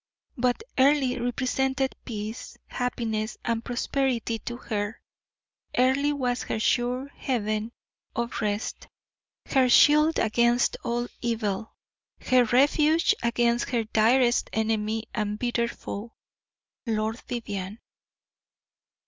But Earle represented peace, happiness, and prosperity to her Earle was her sure haven of rest, her shield against all evil, her refuge against her direst enemy and bitter foe, Lord Vivianne.